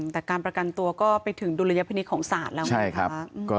แต่การประกันตัวก็ไปถึงดุลยพินิษฐ์ของศาลแล้วไงคะ